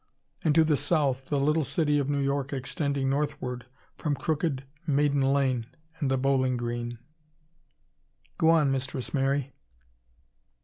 And to the south the little city of New York extending northward from crooked Maiden Lane and the Bowling Green.... "Go on, Mistress Mary."